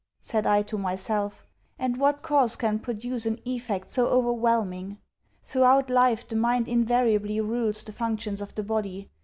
said I to myself, 'and what cause can produce an effect so overwhelming? Throughout life, the mind invariably rules the functions of the body.